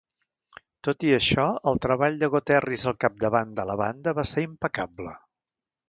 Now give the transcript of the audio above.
Tot i això, el treball de Goterris al capdavant de la banda va ser impecable.